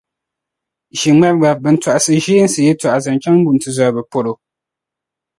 ʒiŋmariba bɛn tɔɣisiri ʒeensi yɛtɔɣa zaŋ chaŋ wuntizɔriba polo.